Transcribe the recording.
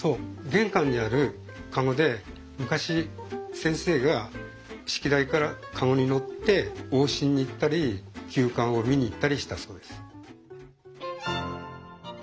玄関にある籠で昔先生が式台から籠に乗って往診に行ったり急患を診に行ったりしたそうです。